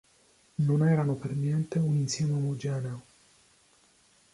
Non erano per niente un insieme omogeneo.